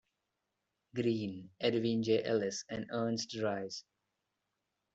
Greene, Edwin J. Ellis, and Ernest Rhys.